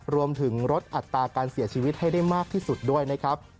รวมถึงลดอัตราการเสียชีวิตให้ได้มากที่สุดด้วยนะครับ